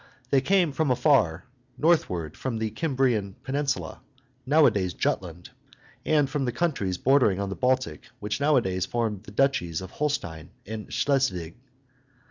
They came from afar, northward, from the Cimbrian peninsula, nowadays Jutland, and from the countries bordering on the Baltic which nowadays form the duchies of Holstein and Schleswig.